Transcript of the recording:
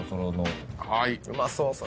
うまそうそれ。